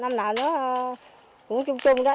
năm nào nó cũng chung chung đó